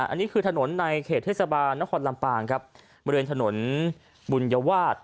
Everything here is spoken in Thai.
อันนี้คือถนนในเขตเทศบาลนครลำปางครับบริเวณถนนบุญวาส